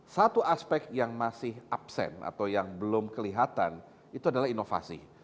satu aspek yang masih absen atau yang belum kelihatan itu adalah inovasi